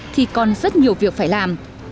thì còn rất nhiều việc phải làm